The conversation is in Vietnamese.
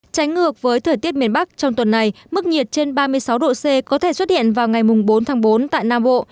tránh ngược với thời tiết miền bắc trong tuần này mức nhiệt trên ba mươi sáu độ c có thể xuất hiện vào ngày bốn tháng bốn tại nam bộ